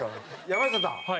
山下さん。